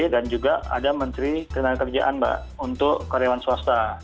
dan juga ada menteri kerenangan kerjaan mbak untuk karyawan swasta